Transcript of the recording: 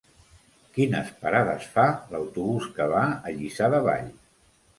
Quines parades fa l'autobús que va a Lliçà de Vall?